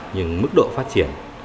nhưng mức độ phát triển